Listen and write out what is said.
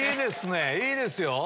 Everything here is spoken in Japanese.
いいですよ。